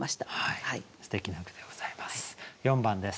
すてきな句でございます。